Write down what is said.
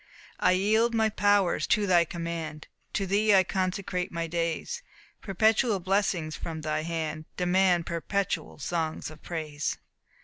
"I yield my powers to thy command, To thee I consecrate my days; Perpetual blessings from thy hand Demand perpetual songs of praise."